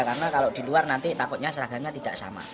karena kalau di luar nanti takutnya seragamnya tidak sama